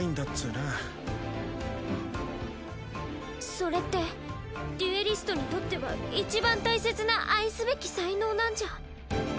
それってデュエリストにとってはいちばん大切な愛すべき才能なんじゃ。